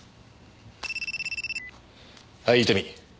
はい伊丹。